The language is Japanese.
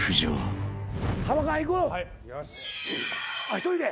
１人で？